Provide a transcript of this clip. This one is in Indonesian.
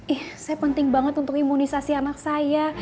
ih saya penting banget untuk imunisasi anak saya